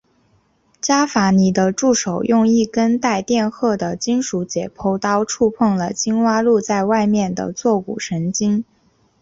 伽伐尼的助手用一根带电荷的金属解剖刀触碰了青蛙露在外面的坐骨神经。